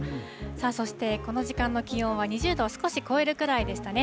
そしてこの時間の気温は２０度を少し超えるくらいでしたね。